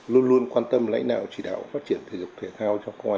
luôn luôn quan tâm lãnh đạo chỉ đạo phát triển thể dục thể thao cho công an nhân dân